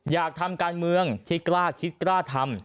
อยากทำการเมืองที่กล้าคิดกล้าทำ